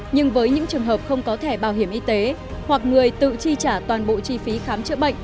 nhưng với những trường hợp không có thẻ bảo hiểm y tế hoặc người tự chi trả toàn bộ chi phí khám chữa bệnh